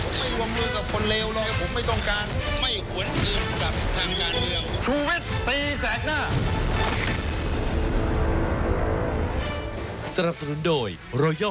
ผมไม่วงมือกับคนเลวหรอกผมไม่ต้องการไม่หวนอื่นสำหรับทางงานเรียก